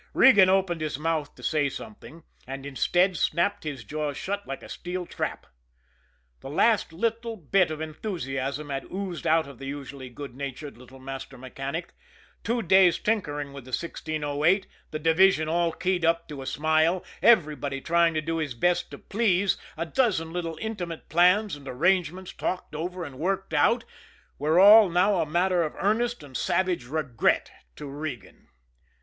Regan opened his mouth to say something and, instead, snapped his jaws shut like a steel trap. The last little bit of enthusiasm had oozed out of the usually good natured little master mechanic. Two days' tinkering with the 1608, the division all keyed up to a smile, everybody trying to do his best to please, a dozen little intimate plans and arrangements talked over and worked out, were all now a matter of earnest and savage regret to Regan.